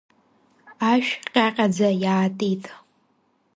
Ашә ҟьаҟьаӡа иаатит.